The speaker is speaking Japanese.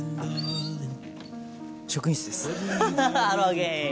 職員室です。